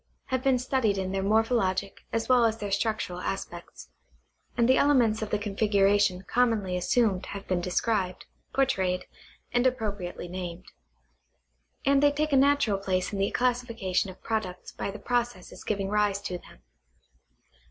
have been studied in their morphologic as well as their structural aspects, and the elements of the configuration commonly assumed have been described, portrayed, and appropriately named ; and they take a natural place in the classification of products by the processes giving rise to them.